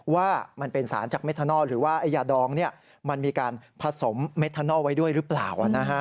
ว่ามันเป็นสารจากเมทานอลหรือว่ายาดองมันมีการผสมเมทานอลไว้ด้วยหรือเปล่า